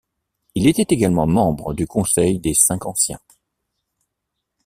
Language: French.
Il était également membre du Conseil des cinq Anciens.